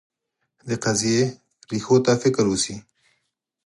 د قضیې ریښو ته فکر وشي.